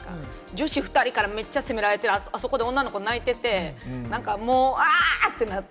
女子２人からめっちゃ責められてる、あそこで女の子泣いてて、もう、あ！ってなって。